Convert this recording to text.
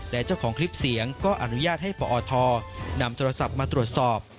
และเจ้าของคลิปเสียงก็อนุญาตให้ปอทนำโทรศัพท์มาตรวจสอบ